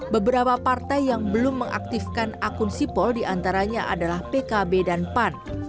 beberapa partai yang belum mengaktifkan akun sipol diantaranya adalah pkb dan pan